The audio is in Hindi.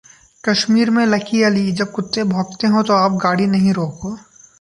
कश्मीर में लकी अली- जब कुत्ते भौंकते हों, तो आप गाड़ी नहीं रोको